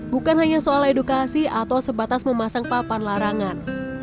bukan hanya soal edukasi atau sebatas memasang papan larangan